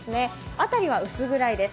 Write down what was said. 辺りは薄暗いです。